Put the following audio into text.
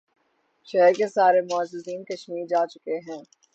شہر کے سارے معززین کشمیر جا چکے ہیں۔